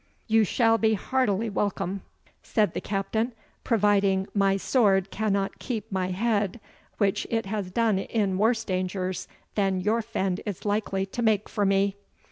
"You shall be heartily welcome," said the Captain, "providing my sword cannot keep my head, which it has done in worse dangers than your fend is likely to make for me."